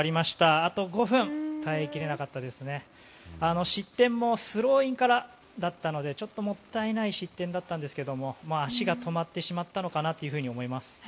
あの失点もスローインからだったのでちょっともったいない失点だったんですけども足が止まってしまったのかなと思います。